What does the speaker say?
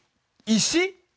石！？